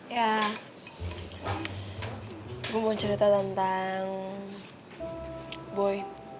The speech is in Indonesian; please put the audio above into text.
ya gue mau cerita tentang boy